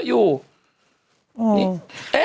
พูดเปอร์